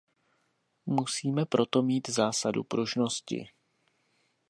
Musíme proto mít zásadu pružnosti.